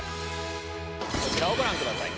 こちらをご覧ください。